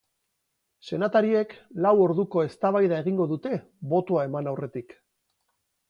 Senatariek lau orduko eztabaida egingo dute, botoa eman aurretik.